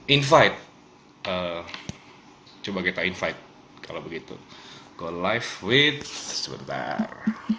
invite coba kita invite kalau begitu go live with sebentar